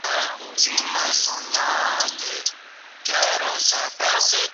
Otras especies en estado similar de conservación habitan sólo ríos o estuarios.